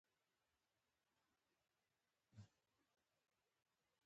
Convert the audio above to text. باسواده ښځې د لیکوالانو په توګه پیژندل کیږي.